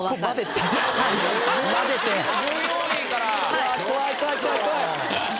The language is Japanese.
うわ怖い怖い怖い怖い！